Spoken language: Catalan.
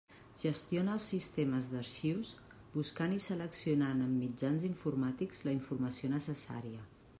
Gestiona els sistemes d'arxius, buscant i seleccionant amb mitjans informàtics la informació necessària.